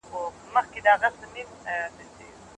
خیر محمد ته د ژوند هره شېبه یو نوی امتحان دی.